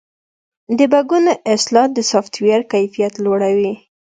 د بګونو اصلاح د سافټویر کیفیت لوړوي.